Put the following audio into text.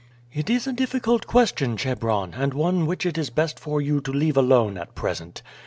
"It is a difficult question, Chebron, and one which it is best for you to leave alone at present.